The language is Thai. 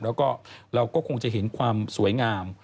แล้วก็เราก็คงจะเห็นความสวยงาม